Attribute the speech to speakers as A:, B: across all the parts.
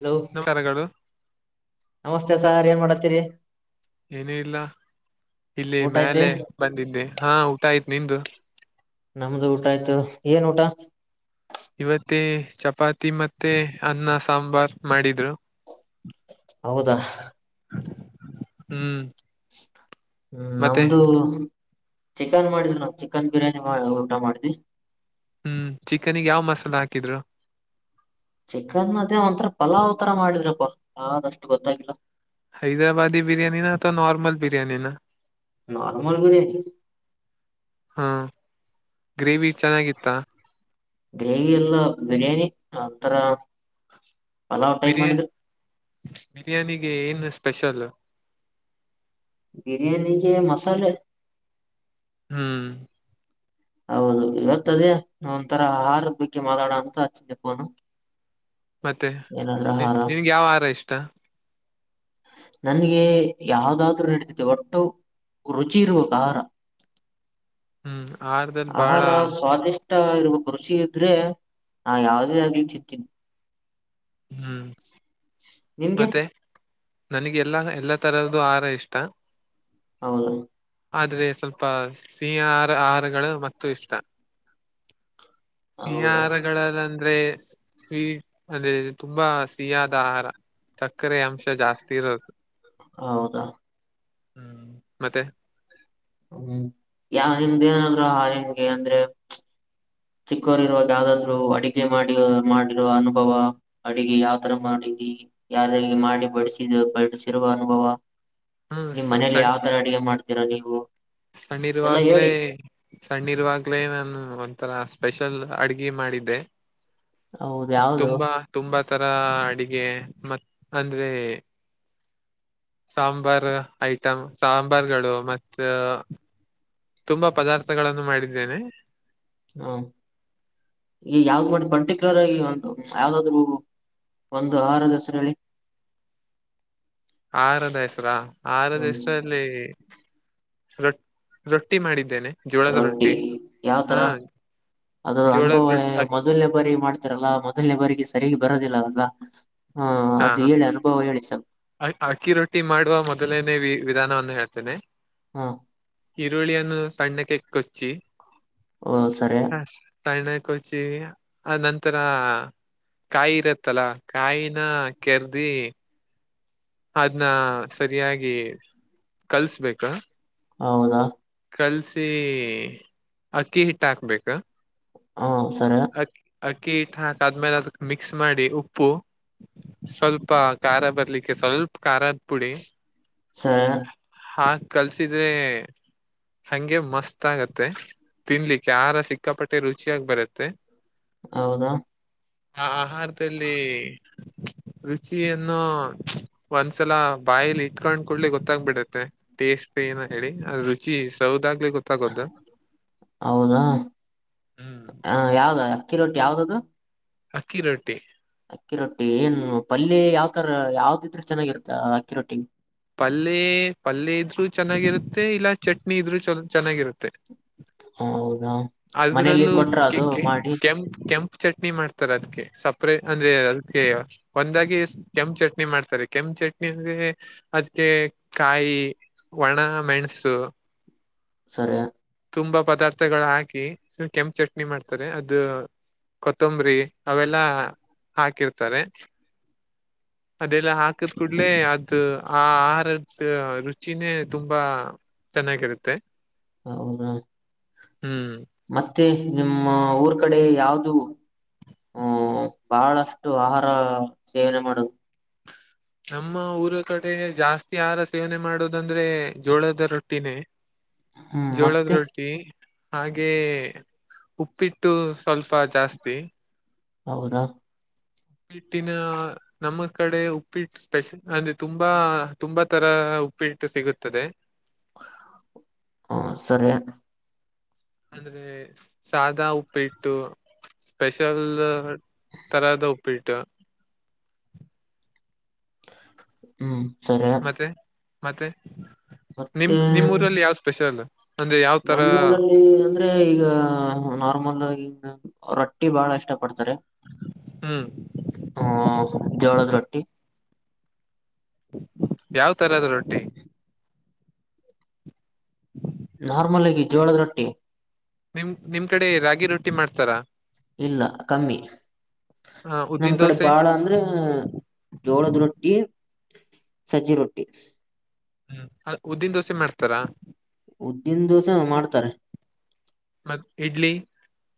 A: Hello
B: [unintelligible] ಕರಗಳು.
A: ನಮಸ್ತೆ sir ಏನ್ ಮಾಡತೀರಿ.
B: ಏನೂ ಇಲ್ಲ ಇಲ್ಲಿ
A: ಊಟ ಐತಿ
B: ಮ್ಯಾಲೆ ಬಂದಿದ್ದೆ ಹಾ ಊಟ ಆಯ್ತು. ನಿಂದು.
A: ನಮ್ದು ಊಟ ಆಯ್ತು ಏನ್ ಊಟ.
B: ಇವತ್ತೇ ಚಪಾತಿ ಮತ್ತೆ ಅನ್ನ ಸಾಂಬಾರ್ ಮಾಡಿದ್ರು.
A: ಹೌದಾ.
B: ಹ್ಮ್.
A: ಹ್ಮ್
B: ಮತ್ತೆ
A: ನಮ್ದು. ಚಿಕನ್ ಮಾಡಿದ ನಾ ಚಿಕನ್ ಬಿರಿಯಾನಿ ಊಟ ಮಾಡಿದಿ.
B: ಹ್ಮ್ ಚಿಕನಿಗೆ ಯಾವ್ ಮಸಾಲ ಹಾಕಿದ್ರು.
A: ಚಿಕ್ಕನ್ ಮತ್ತೆ ಒಂಥರ ಪಲಾವ್ ತರ ಮಾಡಿದ್ರಪ್ಪ ಅದ ಅಷ್ಟು ಗೊತ್ತಾಗಿಲ್ಲ.
B: ಹೈದ್ರಾಬಾದಿ ಬಿರಯಾನಿ ನ ಅಥವಾ ನೋರ್ಮಲ್ ಬಿರಯಾನಿ ನ.
A: ನಾರ್ಮಲ್ ಬಿರಿಯಾನಿ.
B: ಹಾ ಗ್ರೇವಿ ಚೆನ್ನಗಿತ್ತ.
A: ಗ್ರೇವಿ ಎಲ್ಲ ಬಿರಿಯಾನಿ ಆಥರ ಪಲಾವ್ ಟೈಪ
B: ಬಿರಿಯಾ
A: ಮಾಡಿದ್ರು.
B: ಬಿರಿಯಾನಿಗೆ ಏನು ಸ್ಪೆಷಲ್.
A: ಬಿರಿಯಾನಿಗೆ ಮಸಾಲೆ.
B: ಹ್ಮ್.
A: ಹೌದು ಹೇರ್ತದೆ ಒಂಥರ ಆಹಾರ ಬಗ್ಗೆ ಮಾತಾಡನ ಅಂತ ಅಚಿದ್ದೆ ಫೋನು.
B: ಮತ್ತೆ
A: ಏನಾದ್ರ ಆಹಾರ
B: ನಿಮ್ಗೆ ಯಾವ ಆಹಾರ ಇಷ್ಟ.
A: ನನ್ಗೆ ಯಾವ್ದಾದ್ರೂ ನಡೀತೆತು ಒಟ್ಟು ರುಚಿ ಇರುಬೇಕು ಆಹಾರ.
B: ಹ್ಮ್. ಆಹಾರದಲ್ಲಿ ಬಾಳ
A: ಆಹಾರ ಸ್ವಾದಿಷ್ಟ ಇರಬೇಕು. ರುಚಿ ಇದ್ರೆ ನಾ ಯಾವದೇ ಆಗ್ಲಿ ತಿಂತೀನಿ.
B: ಹ್ಮ್
A: ನಿಮ್ಗೆ.
B: ಮತ್ತೆ ನನಗೆ ಎಲ್ಲಾ ಎಲ್ಲಾ ತರಹದ್ದು ಆಹಾರ ಇಷ್ಟ..
A: ಹೌದು.
B: ಆದ್ರೆ ಸ್ವಲ್ಪ ಸಿಹಿ ಆಹಾರ ಆಹಾರಗಳು ಮತ್ತು ಇಷ್ಟ. ಸಿಹಿ
A: ಹೌದಾ
B: ಆಹಾರಗಳಲ್ಲಿ ಅಂದ್ರೆ. ಸ್ವೀಟ್ ಅದೇ ತುಂಬಾ ಸಿಹಿಯಾದ ಆಹಾರ ತ ಸಕ್ಕರೆ ಅಂಶ ಜಾಸ್ತಿ ಇರೋದು
A: ಹೌದಾ
B: ಹ್ಮ್ ಮತ್ತೆ
A: ಹ್ಮ್ ಯಾವ ನಿಮ್ದೇ ಏನಾದ್ರು [unintelligible] ಆ ನಿಮ್ಗೆ ಅಂದ್ರೆ. ಚಿಕ್ಕೋರು ಇರೋವಾಗ್ ಯಾವ್ದಾದ್ರು ಅಡಿಗೆ ಮಾಡಿ ಮಾಡಿರ ಅನುಭವ ಅಡಿಗೆ ಯಾವ ತರ ಮಾಡಿ. ಯಾರಲ್ಲಿ ಮಾಡಿ ಬಡಿಸಿದ ಬಡಿಸಿರುವ ಅನುಭವ.
B: ಹ್ಮ್
A: ನಿಮ್ ಮನೇಲಿ ಯಾವ ತರ ಅಡುಗೆ ಮಾಡ್ತೀರಾ ನೀವು.
B: ಸಣ್ಣೀರು
A: ಎಲ್ಲಾ
B: ಆಗ್ಲೇ
A: ಹೇಳಿ
B: ಸಣ್ಣೀರು ಆಗ್ಲೇ ನಾನು ಒಂಥರ ಸ್ಪೆಷಲ್ ಅಡಿಗೆ ಮಾಡಿದ್ದೆ
A: ಹೌದ ಯಾವ್ದು
B: ತುಂಬಾ ತುಂಬಾ ಒಂತರ ಅಡಿಗೆ ಮತ್ ಅಂದ್ರೆ ಸಾಂಬಾರ್ ಐಟಂ ಸಾಂಬಾರುಗಳು ಮತ್ತ ತುಂಬಾ ಪದಾರ್ಥಗಳನ್ನು ಮಾಡಿದ್ದೇನೆ.
A: ಹಾ ಈಗ ಯಾವ್ದ್ ಮಾಡಿ ಪರ್ಟಿಕ್ಯುಲರ್ ಆಗಿ ಒಂದ್ ಯಾವ್ದಾದ್ರು. ಒಂದು ಆಹಾರದ ಹೆಸರೇಳಿ.
B: ಆಹಾರದ ಹೆಸರಾ ಆಹಾರದ ಹೆಸರ ಅಲ್ಲಿ ರೊಟ್ ರೊಟ್ಟಿ ಮಾಡಿದ್
A: ರೊಟ್ಟಿ ಯಾವ ತರ. ಅದ್ರ
B: ಜೋಳದ
A: ಅನುಭವ
B: ರೊಟ್ಟಿ ಅಕ್ಕಿ
A: ಮೊದಲನೇ ಬಾರಿ ಮಾಡ್ತರಲ್ಲಾ ಮೊದಲನೇ ಬಾರಿಗೆ ಸರಿಯಾಗಿ ಬರೋದಿಲ್ಲ ಅಲ್ವಾ
B: ಹಾ
A: ಅದು ಹೇಳಿ ಅನುಭವ ಹೇಳಿ ಸರ್.
B: ಅಕ್ಕಿ ರೊಟ್ಟಿ ಮಾಡುವ ಮೊದಲನೇ ವಿ ವಿಧಾನವವನ್ನು ಹೇಳ್ತಿನಿ.
A: ಹಾ
B: ಈರುಳ್ಳಿಯನ್ನು ಸಣ್ಣಕ್ಕೆ ಕೊಚ್ಚಿ
A: ಓ ಸರಿ
B: ಹ ಸರ್ ಸಣ್ಣ ಕೊಚ್ಚಿ ಆ ನಂತನ ಕಾಯಿ ಇರತ್ತಲ್ಲ, ಕಾಯಿನ ಕೆರ್ದಿ ಅದನ್ನ ಸರಿಯಾಗಿ ಕಳ್ಸ್ಬೇಕು.
A: ಹೌದಾ
B: ಕಲ್ಸಿ ಅಕ್ಕಿ ಹಿಟ್ ಹಾಕ್ಬೇಕು
A: ಹ್ಮ್ ಸಾರೆ
B: ಅಕ್ಕಿ ಅಕ್ಕಿ ಹಿಟ್ಟು ಹಾಕ ಆದ್ಮೇಲೆ ಅದಕ್ ಮಿಕ್ಸ್ ಮಾಡಿ ಉಪ್ಪು ಸ್ವಲ್ಪ ಖಾರ ಬರ್ಲಿಕ್ಕೆ ಸ್ವಲ್ಪ ಖಾರದ್ ಪುಡಿ.
A: ಸರಿ
B: ಹಾಕ ಕಳ್ಸಿದ್ದೆ ಹಂಗೆ ಮಸ್ತ್ ಆಗತ್ತೆ ತಿನ್ಲಿಕ್ಕೆ ಆಹಾರ ಸಿಕ್ಕಾಪಟ್ಟೆ ರುಚಿಯಾಗಿ ಬರುತ್ತೆ.
A: ಹೌದಾ.
B: ಆ ಆಹಾರದಲ್ಲಿ ರುಚಿಯನ್ನು ಒಂದ್ಸಲ ಬಾಯಲಿ ಇಟ್ಕೊಂಡ್ ಕೂಡ್ಲಿ ಗೊತ್ತಾಗ್ಬಿಡುತ್ತೆ ಟೇಸ್ಟ್ ಏನ ಹೇಳಿ ಅ ರುಚಿ ಸೌದ ಆಗಲಿ ಗೊತ್ತಾಗೋದು.
A: ಹೌದಾ
B: ಹ್ಮ್
A: ಹ ಯಾವ್ದ ಅಕ್ಕಿ ರೊಟ್ಟಿ ಯಾವ್ದದು.
B: ಅಕ್ಕಿ ರೊಟ್ಟಿ.
A: ಅಕ್ಕಿ ರೊಟ್ಟಿ ಏನು ಪಲ್ಯ ಯಾವ್ ತರ ಯಾವ್ದಿದ್ರೆ ಚೆನ್ನಾಗಿರ್ತ್ತ ಅಕ್ಕಿ ರೊಟ್ಟಿಗೆ
B: ಪಲ್ಲಿ ಪಲ್ಲಿ ಇದ್ರು ಚೆನ್ನಾಗಿರುತ್ತೆ ಇಲ್ಲ ಚಟ್ನಿ ಇದ್ರು ಚಲೊ ಚೆನ್ನಾಗಿರುತ್ತೆ.
A: ಹೌದಾ ಮನೇಲಿ
B: ಅದರಲ್ಲೂ
A: ಕೊಟ್ರ
B: ಕೆ
A: ಅದು
B: ಕೆ
A: ಮಾಡಿ
B: ಕೆಂ ಕೆಂಪ್ ಚಟ್ನಿ ಮಾಡ್ತಾರೆ ಅದ್ಕೆ ಸಪ್ರೇಟ್ ಅಂದ್ರೆ ಅದುಕ್ಕೆ ಒಂದಾಗಿ ಕೆಂಪು ಚಟ್ನಿ ಮಾಡ್ತಾರೆ ಕೆಂ ಚಟ್ನಿ ಅಂದ್ರೆ ಅದುಕ್ಕೆ ಕಾಯಿ ಒಣ ಮೆಣಸು
A: ಸರಿ
B: ತುಂಬಾ ಪದಾರ್ಥಗಳ ಹಾಕಿ ಕೆಂಪು ಚಟ್ನಿ ಮಾಡ್ತಾರೆ ಅದು. ಕೊತ್ತಂಬರಿ ಅವೆಲ್ಲಾ ಹಾಕಿರ್ತಾರೆ.
A: [inaudible]
B: ಅದೆಲ್ಲಾ ಹಾಕಿದ್ ಕೂಡ್ಲೆೇ ಆ ಆಹಾರದ ರುಚಿನೇ ತುಂಬಾ ಚೆನ್ನಾಗಿರುತ್ತೆ.
A: ಹೌದಾ
B: ಹ್ಮ್
A: ಮತ್ತೆ ನಿಮ್ಮ ಊರ್ ಕಡೆ ಯಾವ್ದು. ಹ್ಮ ಬಹಳಷ್ಟು ಆಹಾರ ಸೇವನೆ ಮಾಡದು.
B: ನಮ್ಮ ಊರ ಕಡೆ ಜಾಸ್ತಿ ಆಹಾರ ಸೇವನೆ ಮಾಡೋದಂದ್ರೆ ಜೋಳದ ರೊಟ್ಟಿನೇ.
A: ಹ್ಮ್
B: ಜೋಳದ
A: ಮತ್ತೆ
B: ರೊಟ್ಟಿ ಹಾಗೆ ಉಪ್ಪಿಟ್ಟು. ಸ್ವಲ್ಪ ಜಾಸ್ತಿ.
A: ಹೌದಾ
B: ಉಪ್ಪಿಟ್ಟಿನ ನಮ್ಮ ಕಡೆ ಉಪ್ಪಿಟ್ಟು ಸ್ಪೆಷಲ್ ಅಂದ್ರೆ ತುಂಬಾ ತುಂಬಾ ತರ. ಉಪ್ಪಿಟ್ಟು ಸಿಗುತ್ತದೆ.
A: ಹ ಸರಿ.
B: ಅಂದ್ರೆ ಸಾದಾ ಉಪ್ಪಿಟ್ಟು. ಸ್ಪೆಷಲ್ ತರದ ಉಪ್ಪಿಟ್ಟು.
A: ಹ್ಮ್ ಸರಿ.
B: ಮತ್ತೆ ಮತ್ತೆ ನಿಮ್
A: ಮತ್ತೆ
B: ನಿಮ್ಮ ಊರಲ್ಲಿ ಯಾವ್ ಸ್ಪೆಷಲ್. ಅಂದ್ರೆ ಯಾವ ತರ
A: ನಮ್ಮೂಊರಲ್ಲಿ. ್ರೆ ಈಗ ನಾರ್ಮಲ್ ಆಗಿ ರೊಟ್ಟಿ ಬಹಳ ಇಷ್ಟ ಪಡ್ತ ಹಲೋ
B: ಹ್ಮ್
A: ಹಾ ಜೋಳದ ರೊಟ್ಟಿ.
B: ಯಾವ್ ತರದ ರೊಟ್ಟಿ.
A: ನಾರ್ಮಲ್ ಆಗಿ ಜೋಳದ ರೊಟ್ಟಿ.
B: ನಿಮ ನಿಮ್ ಕಡೆ ರಾಗಿ ರೊಟ್ಟಿ ಮಾಡ್ತಾರಾ.
A: ಇಲ್ಲ ಕಮ್ಮಿ.
B: ಆ
A: ನಮ್
B: ಉದ್ದಿನ
A: ಕಡೆ
B: ದೋಸೆ
A: ಬಾಳ ಅಂದ್ರೆ ಜೋಳದ ರೊಟ್ಟಿ. ಸಜ್ಜಿ ರೊಟ್ಟಿ.
B: ಉದ್ದಿನ ದೋಸೆ ಮಾಡ್ತಾರಾ.
A: ಉದ್ದೀನ್ ದೋಸೆ ಹ ಮಾಡ್ತಾರೆ.
B: ಮತ್ತ ಇಡ್ಲಿ.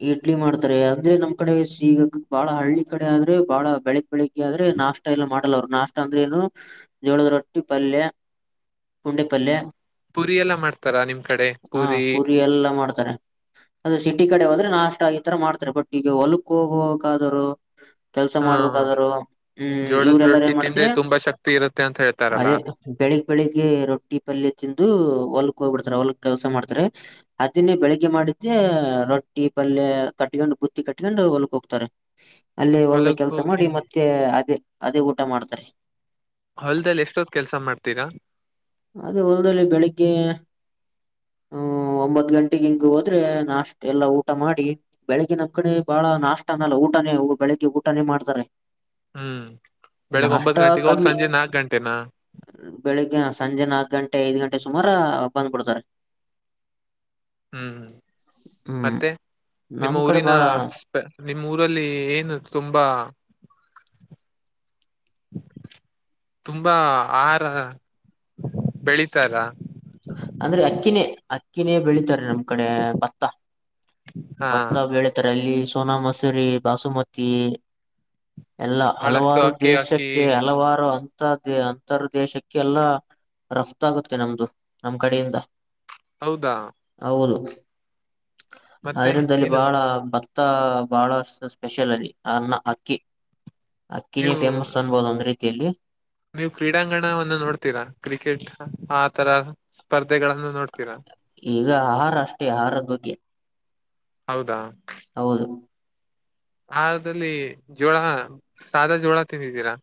A: ಇಡ್ಲಿ ಮಾಡ್ತಾರೆ ಅಂದ್ರೆ ನಮ್ ಕಡೆ ಈಗ ಬಾಳ ಹಳ್ಳಿ ಕಡೆ ಆದ್ರೆ ಬಾಳ ಬೆಳಗ್ ಬೆಳಿಗ್ಗೆ ಆದ್ರೆ ನಾ ನಾಷ್ಟ ಎಲ್ಲ ಮಾಡಲ್ಲ ಅವರು ನಾಷ್ಟ ಅಂದ್ರೆ ಏನು ಜೋಳದ ರೊಟ್ಟಿ ಪಲ್ಯ ಕುಂಡೆ ಪಲ್ಯ.
B: ಪುರಿ ಎಲ್ಲ ಮಾಡ್ತಾರ ನಿಮ್ ಕಡೆ
A: ಹ
B: ಪೂರಿ.
A: ಎಲ್ಲಾ ಅದು ಸಿಟಿ ಕಡೆ ಹೋದ್ರೆ ನಾಷ್ಟ ಈ ತರ ಮಾಡ್ತಾರೆ ಬಟ್ ಈಗ ಹೊಲಕ್ ಹೋಗೋಕ ಆದೊರು. ಕೆಲ್ಸ
B: ಹಾ
A: ಮಾಡ್ಬೇಕಾದರು ಹ್ಮ್ ಇವ್ರ
B: ಜೋಳದ
A: ಎಲ್ಲಾರ
B: ರೊಟ್ಟಿ
A: ಏನ್
B: ತಿಂದ್ರೆ
A: ಮಾಡ್ತಿರೆ.
B: ತುಂಬಾ ಶಕ್ತಿ ಇರುತ್ತೆ ಅಂತ ಹೇಳ್ತಾರಲ್ಲ
A: ಅದೇ ಬೆಳಿಗ್ ಬೆಳಿಗ್ಗೆ ರೊಟ್ಟಿ ಪಲ್ಯ ತಿಂದು. ಹೊಲ್ಕ್ ಹೋಗ್ಬಿಡ್ತಾರೆ ಹೊಲಕ್ ಕೆಲ್ಸ ಮಾಡ್ತಾರೆ ಅದನ್ನೇ ಬೆಳಿಗ್ಗೆ ಮಾಡಿದ್ದ ರೊ ಟ್ಟಿ ಪಲ್ಯ ಕಟ್ಕೊಂಡು ಬುತ್ತಿ ಕಟ್ಕೊಂಡು ಹೊಲ್ಕ್ ಹೋಗ್ತಾರೆ. ಅಲ್ಲೇ ಹೊಲ್ದ
B: ಹೊಲಕ್
A: ಕೆಲ್ಸ ಮಾಡಿ
B: ಹೋಗಿ
A: ಮತ್ತೆ ಅದೇ ಅದೇ ಊಟ ಮಾಡ್ತಾರೆ.
B: ಹೊಲ್ದಲ್ಲಿ ಎಷ್ಟೊತ್ತ ಕೆಲ್ಸ ಮಾಡ್ತೀರಾ.
A: ಅದೇ ಹೊಲ್ದಲ್ಲಿ ಬೆಳಿಗ್ಗೆ. ಹ್ಮ ಒಂಬತ್ ಗಂಟೆಗೆ ಹಿಂಗ ಹೋದ್ರೆ ನಾಷ್ಟ ಎಲ್ಲಾ ಊಟ ಮಾಡಿ ಬೆಳಗ್ ನಮ್ ಕಡೆ ಬಾಳ ಬಹಳ ನಾಷ್ಟ ಅನಲ್ಲ ಊಟನೇ ಬೆಳಿಗ್ಗೆ ಊಟನೇ ಮಾಡ್ತಾರೆ.
B: ಹ್ಮ್ ಬೆಳಗ್
A: ನಾಷ್ಟ
B: ಒಂಬತ್ ಗಂಟೆಗೆ ಹೋಗಿ
A: ಕಮ್ಮಿ
B: ಸಂಜೆ ನಾಕ್ ಗಂಟೆನಾ
A: ಬೆಳಿಗ್ಗೆಷ್ ಸಂಜೆ ನಾಕು ಗಂಟೆ ಐದ್ ಗಂಟೆ ಸುಮಾರ ಬಂದ್ಬಿಡ್ತಾರೆ.
B: ಹ್ಮ್
A: ಹ್ಮ್
B: ಮತ್ತೆ ನಿಮ್ಮ
A: ನಮ್ ಕಡೆ
B: ಊರಿನ
A: ಬಾಳ
B: ಸ್ಪ ನಿಮ ಮೂಊರಲ್ಲಿ ಏನು ತುಂಬಾ. ತುಂಬಾ ಆಹಾರ ಬೆಳಿತಾರಾ.
A: ಅಂದ್ರೆ ಅಕ್ಕಿನೇ ಅಕ್ಕಿನೇ ಬೆಳಿತಾರೆ ನಮ್ ಕಡೆ ಭತ್ತ.
B: ಹಾ
A: ಭತ್ತ ಬೆಳೆತರಲ್ಲಿ ಸೋನಮಸೂರಿ ಬಾಸುಮತಿ. ಎಲ್ಲ
B: ಬಹಳಷ್ಟು
A: ಹಲವಾರು
B: ಅಕ್ಕಿ ಅಕ್ಕಿ
A: ದೇಶಕ್ಕೆ ಹಲವಾರು. ದ ಅಂತರ್ದೇಶಕ್ಕೆ ಎಲ್ಲಾ ರಫ್ತ ಆಗುತ್ತೆ ನಮ್ದು ನಮ್ ಕಡೆಯಿಂದ.
B: ಹೌದಾ. ಮತ್ತೆ
A: ಅದರಿಂದ ಅಲ್ಲಿ
B: ಏನು
A: ಬಾಳಾ ಭತ ತ್ತ ಬಹಳಷ್ಟ ಸ್ಪೆಷಲ್ ಅಲ್ಲಿ ಅನ್ನ ಅಕ್ಕಿ. ಅಕ್ಕಿನಿ
B: ನೀವು
A: ಫೇಮಸ್ ಅನ್ಬೋದು ಒಂದ್ ರೀತಿಯಲ್ಲಿ.
B: ನೀವು ಕ್ರೀಡಾಂಗಣವನ್ನು ನೋಡ್ತೀರಾ ಕ್ರಿಕೆಟ್ ಆ ತರ ಸ್ಪರ್ಧೆಗಳನ್ನು ನೋಡ್ತೀರಾ.
A: ಈಗ ಆಹಾರ ಅಷ್ಟೇ ಆಹಾರದ ಬಗ್ಗೆ.
B: ಹೌದಾ
A: ಹೌದು
B: ಆದಲ್ಲಿ ಜೋಳ ಸಾದಾ ಜೋಳ ತಿಿಂದಿದ್ದೀರಾ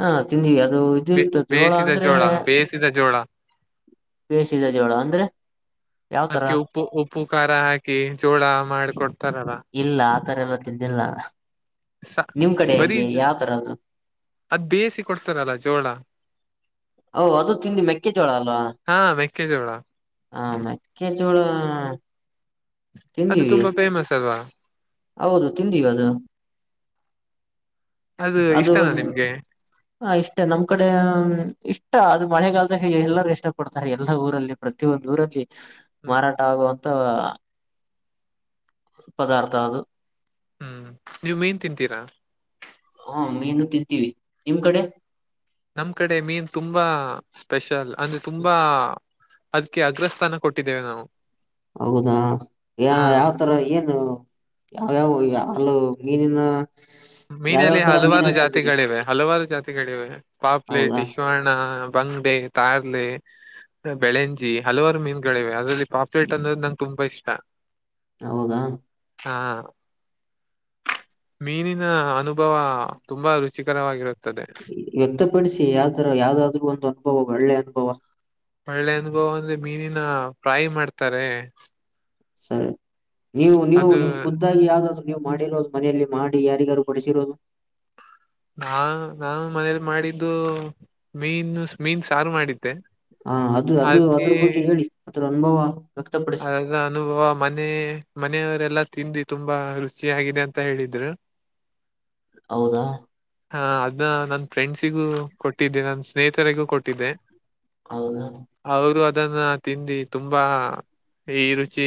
A: ಹಾ ತಿಂದಿವ ಅದು ಇದದು ಇರ್ತದೆ ಜೋಳ
B: ಬೇಯಿಸಿದ
A: ಅಂದ್ರೆ
B: ಬೇಯಿಸಿದ ಜೋಳ
A: ಬೇಸಿದ ಜೋಳ ಅಂದ್ರೆ ಯಾವ್ತರ
B: ಅದ್ಕ್ಕೆ ಉಪ್ಪು ಉಪ್ಪು ಖಾರ ಹಾಕಿ ಜೋಳ ಮಾಡಕೊಡ್
A: ಇಲ್ಲ ಆತರ ಎಲ್ಲ ತಿಂದಿಲ್ಲ
B: ಸ
A: ನಿಮ್ ಕಡೆ
B: ಬರೀ
A: ಹೆಂಗೆ ಯಾವ್ತರ ಅದು
B: ಅದ್ ಬೇಯಸಿ ಕೊಡ್ತಾರಲ್ಲ ಜೋಳ
A: ಅದು ತಿಂಡಿ ಮೆಕ್ಕೆಜೋಳ ಅಲ್ವಾ
B: ಹಾ ಮೆಕ್ಕೆಜೋಳ
A: ಹ ಮೆಕ್ಕೆ ಳ
B: ಅದು ತುಂಬಾ ಫೇಮಸ್ ಅಲ್ವಾ.
A: ಹೌದು ತಿಂದೀವಿ ಅದು. ಅದು
B: ಇಷ್ಟನಾ ನಿಮ್ಗೆ
A: ಹ ಇಷ್ಟೇ ನಮ್ ಕಡೆ ಇಷ್ಟ ಅಷ್ಟ ಅದು ಮಳೆಗಾಲದ ಎಲ್ಲರೂ ಇಷ್ಟ ಪಡ್ತಾರೆ ಎಲ್ಲಾ ಊರಲ್ಲಿ ಪ್ರತ ಒಂದು ಊರಲ್ಲಿ
B: ಹ್ಮ್
A: ಮಾರಾಟ ಆಗುವ ಅ ಪದಾರ್ಥ
B: ಹ್ಮ್ ನೀವ್ ಮೀನ್ ತಿಂತೀರಾ
A: ಹಾ ಮೀನು ತಿಂತೀವಿ ನಿಮ್ ಕಡೆ
B: ನಮ್ ಕಡೆ ಮೀನ್ ತುಂಬಾ ಸ್ಪೆಷಲ್ ಅಂದ್ರೆ ತುಂಬಾ ಅದಕ್ಕೆ ಅಗ್ರಸ್ಥಾನ ಕೊಟ್ಟಿದ್ದೇವೆ ನಾವು
A: ಹೌದಾ ಯ
B: ಹಾ
A: ಯಾವ ತರ ಏನು ಯಾವ್ಯಾವ ಅಲ್ಲ ಮೀನಿನ
B: ಮೀನಲ್ಲಿ
A: ಯಾವ್ಯಾವ್ ತರ ಮೀನ್
B: ಹಲವಾರು
A: ಹತ್ತಿದಿರಿ
B: ಜಾತಿಗಳಿವೆ ಹಲವಾರು ಜಾತಿಗಳಿವೆ ಪಾಪ್ಲೆಟ್
A: ಹೌದಾ
B: ಶ್ವಣ ತಾರ್ ಬೆಳೆಂಜಿ ಹಲವಾರು ಮೀನುಗಳಿವೆ ಅದರಲ್ಲಿ ಪಾಪ್ಲೆೇಟ್ ಅನ್ನೋದು ನಂಗೆ ತುಂಬಾ ಇಷ್ಟ
A: ಹೌದಾ
B: ಹಾ ಮೀನಿನ ಅನುಭವ ತುಂಬಾ ರುಚಿಕರವಾಗಿರುತ್ತೆ
A: ವ್ಯಕ್ತಪಡಿಸಿ ಯಾವ್ದರ ಯಾವ್ದಾದ್ರರು ಒಂದು ಅನುಭವ ಒಳ್ಳೆ ಅನುಭವ
B: ಒಳ್ಳೆ ಅನ್ಗೋ ಅಂದ್ರೆ ಮೀನಿನ ಫ್ರಾಯಿ ಮಾಡ್ತಾರೆ
A: ಸರಿ ನೀವು ನೀವು
B: ಅದು
A: ನಿಮ್ ಖುದ್ದಾಗಿ ಯಾವ್ದಾದ್ರು ನೀವು ಮಾಡಿರೋದು ಮನೆಯಲ್ಲಿ ಮಾಡಿ ಯಾರಿಗಾರು ಬಡಿಸಿರೋದು
B: ನಾ ನಾನ್ ಮನೇಲಿ ಮಾಡಿದ್ದು ಮೀನು ಮೀನ್ ಸಾರು ಮಾಡಿದ್ದೆ
A: ಹಾ ಅದು ಅದು
B: ಅದಕ್ಕೆ
A: ಅದ್ರ ಬಗ್ಗೆ ಹೇಳಿ ಅದ್ರ ಅನುಭವ ವ್ಯಕ್ತಪಡಿಸಿ
B: ಅದದ ಅನುಭವ ಮನೆ ಮನೆಯವರೆಲ್ಲ ತಿಿಂದಿ ತುಂಬಾ ರುಚಿ ಆಗಾಗಿದೆ ಅಂತ ಹೇಳಿದ್್ರ
A: ಹೌದಾ
B: ಹಾ ಅದನ್ನ ನನ್ ಫ್ರೆಂಡ್ಸಿಗೂ ಕೊಟ್ಟಿದ್ದೆ ನನ್ ಸ್ನೇಹಿತರಿಗೂ ಕೊಟ್ಟಿದ್ದೆ
A: ಹೌದಾ
B: ಇದನ್ನ ತಿಂಡ ತುಂಬಾ ಈ ರುಚಿ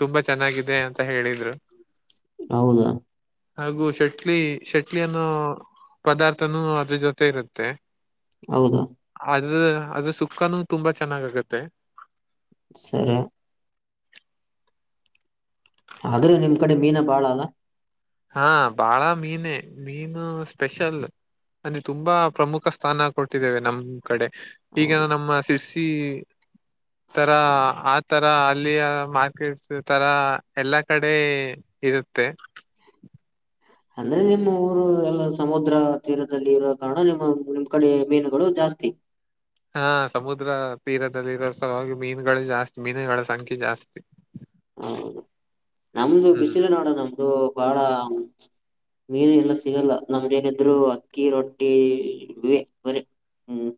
B: ತುಂಬಾ ಚೆನ್ನಾಗಿದೆ ಅಂತ ಹೇಳಿದ್ರು
A: ಹೌದಾ
B: ಹಾಗು ಶಟ್ಲಿ ಶಟ್ಲಿ ಅನ್ನೋ ಪದಾರ್ಥನೂ ಅದ್ರ ಜೊತೆ ಇರುತ್ತೆ
A: ಹೌದಾ
B: ಅದ್ರ ಅದ್ರ ಸುಖನೂ ತುಂಬಾ ಚೆನ್ನಾಗ್ಗತ್ತೆ
A: ಸರ ಆದ್ರೆ ನಿಮ್ ಕಡೆ ಮೀನ ಬಾಳ ಅಲ್ಲ
B: ಹಾ ಬಾಳ ಮೀನ ಮೀನು ಸ್ಪೆಷಲ್ ಅಲ್ಲಿೆ ತುಂಬಾ ಪ್ರಮುಖ ಸ್ಥಾನ ಕೊಟ್ಟಿದ್ದೇವೆ ನಮ್ ಕಡೆ ಈಗ
A: ಹೌದು
B: ನಮ್ಮ ಈ ತರ ಆ ತರ ಅಲ್ಲಿಯ ಮಾರ್ಕೆಟ್ಸ್ ತರ ಎಲ್ಲಾ ಕಡೆ ಇರುತ್ತೆ
A: ಅಂದ್ರೆ ನಿಮ್ಮ ಊರು ಎಲ್ಲ ಸಮುದ್ರ ತೀರದಲ್ಲಿ ಇರುವೋ ಕಾರಣ ನಿಮ್ಮ ನಿಮ್ ಕಡೆ ಮೀನುಗಳು ಜಾಸ್ತಿ ಅತಿ
B: ಹಾ ಸಮುದ್ರ ತೀರದಲ್ಲಿರೋ ಸಲಾಗಿ ಮೀನುಗಳು ಜಾಸ್ತಿ ಮೀನುಗಳ ಸಂಖ್ಯೆ ಜಾಸ್ತಿ
A: ಹೌದು ನಮ್ದು
B: ಹ್ಮ್
A: ಬಿಸಿಲು ನೋಡೋಣ ನಮ್ದು ಬಹಳ ಮೀನು ಎಲ್ಲ ಸಿಗಲ್ಲ ನಮಏನಿದ್ರು ಅಕ್ಕಿ ರೊಟ್ಟಿ ಇೇ ಬರಿ ಹ್ಮ್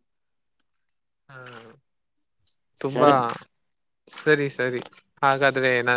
B: ಹಾ ತುಂಬಾ
A: ಸರಿ.
B: ಸರಿ ಸರಿ ಹಾಗಾದ್ರೆ ನ